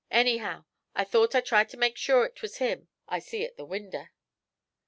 Anyhow, I thought I'd try to make sure it 'twas him I see at the winder.'